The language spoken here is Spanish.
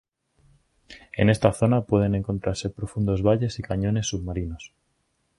En esta zona pueden encontrarse profundos valles y cañones submarinos.